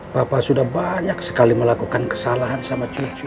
bapak sudah banyak sekali melakukan kesalahan sama cucu